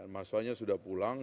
mas wanya sudah pulang